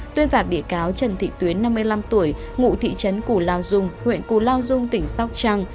tuyên phạt bị cáo trần thị tuyến năm mươi năm tuổi ngụ thị trấn củ lao dung huyện củ lao dung tỉnh sóc trăng